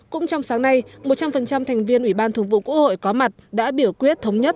cũng trong sáng nay một trăm linh thành viên ủy ban thường vụ quốc hội có mặt đã biểu quyết thống nhất